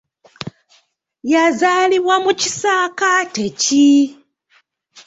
Yazaalirwa mu kisaakaate ki?